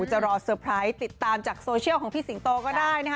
จะรอเซอร์ไพรส์ติดตามจากโซเชียลของพี่สิงโตก็ได้นะคะ